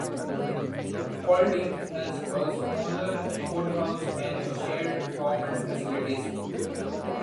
Paulding has a smaller courthouse and shared government facilities.